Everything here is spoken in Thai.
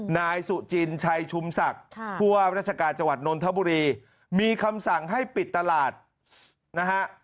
นายสุจินชัยชุมศักดิ์ผู้ว่าราชการจังหวัดนนทบุรีมีคำสั่งให้ปิดตลาดนะฮะ